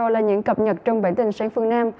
vừa rồi là những cập nhật trong bản tin sáng phương nam